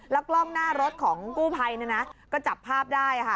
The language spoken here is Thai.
กล้องหน้ารถของกู้ภัยเนี่ยนะก็จับภาพได้ค่ะ